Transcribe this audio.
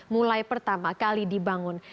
mulai pertama kali dibangun